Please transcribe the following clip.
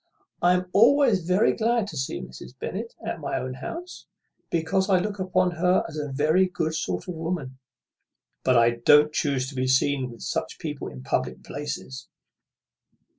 I am always very glad to see Mrs. Bennet at my own house, because I look upon her as a very good sort of woman; but I don't chuse to be seen with such people in public places."